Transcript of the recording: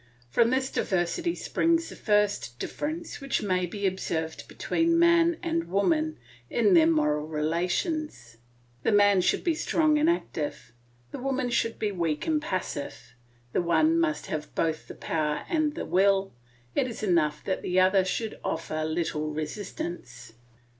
From this diversity springs the first difference which may be observed between man and woman in their moral relations. The man should be strong and active; the woman should be weak and passive; the one must have both the power and the will; it is enough that the other should offer little resistance.